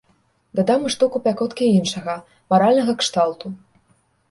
Дадам і штуку пякоткі іншага, маральнага кшталту.